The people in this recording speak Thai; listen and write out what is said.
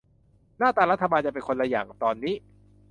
หน้าตารัฐบาลจะเป็นคนละอย่างกับตอนนี้